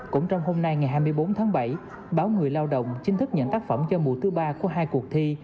cũng trong hôm nay ngày hai mươi bốn tháng bảy báo người lao động chính thức nhận tác phẩm cho mùa thứ ba của hai cuộc thi